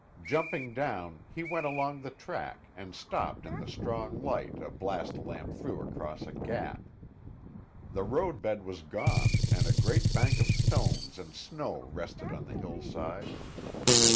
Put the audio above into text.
Jumping down, he went along the track and stopped in the strong light a blast lamp threw across a gap. The road bed was gone and a great bank of stones and snow rested on the hillside.